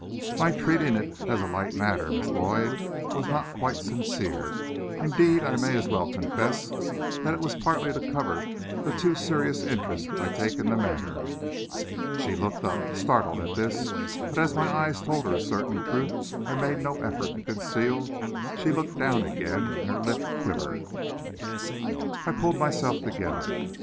"My treating it as a light matter, Miss Lloyd, was not quite sincere. Indeed, I may as well confess that it was partly to cover the too serious interest I take in the matter." She looked up, startled at this, but as my eyes told her a certain truth I made no effort to conceal, she looked down again, and her lip quivered. I pulled myself together.